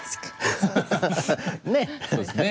そうですね。